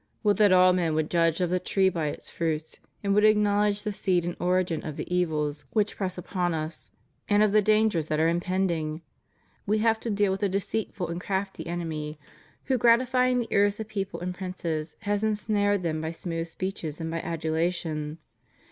Would that all men would judge of the tree by its fruits, and would acknowledge the seed and origin of the evils which press upon us, and of the dangers that are impending ! We have to deal with a deceitful and crafty enemy, who, gratifying the ears of people and of princes, has ensnared them by smooth speeches and by adulation.